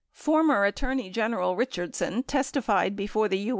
Former Attorney General Richardson testified before the U.